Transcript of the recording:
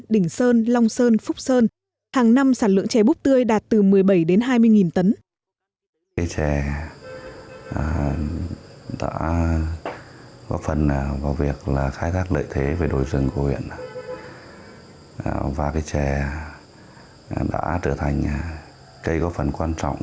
đỉnh sơn long sơn phúc sơn hàng năm sản lượng trè búp tươi đạt từ một mươi bảy đến hai mươi tấn